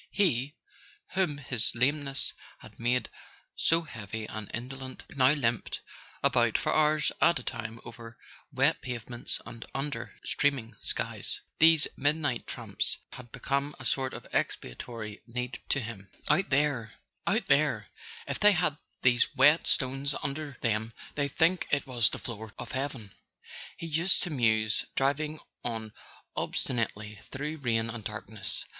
He, whom his lameness had made so heavy and indolent, now limped about for hours at a time over wet pavements and under streaming skies: these midnight tramps had be¬ come a sort of expiatory need to him. "Out there— [ 191 ] A SON AT THE FRONT /\r* W out there, if they had these wet stones under them they'd think it was the floor of heaven," he used to muse, driving on obstinately through rain and dark¬ ness.